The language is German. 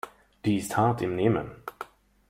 Die ist hart im Nehmen.